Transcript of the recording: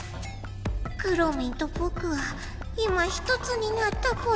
くろミンとぼくは今ひとつになったぽよ。